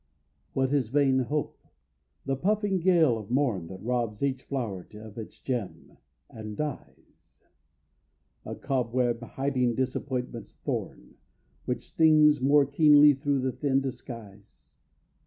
What is vain Hope? The puffing gale of morn, That robs each flow'ret of its gem, and dies; A cobweb hiding disappointment's thorn, Which stings more keenly through the thin disguise.